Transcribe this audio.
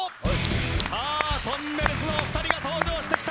さあとんねるずのお二人が登場してきた！